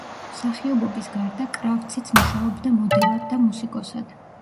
მსახიობობის გარდა, კრავციც მუშაობდა მოდელად და მუსიკოსად.